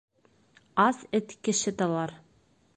Ас эт кеше талар.